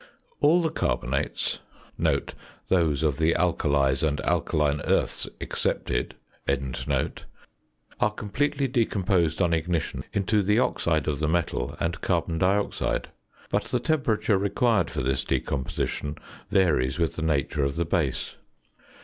All the carbonates (those of the alkalies and alkaline earths excepted) are completely decomposed on ignition into the oxide of the metal and carbon dioxide; but the temperature required for this decomposition varies with the nature of the base.